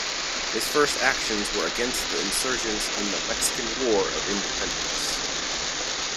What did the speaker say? His first actions were against the insurgents in the Mexican War of Independence.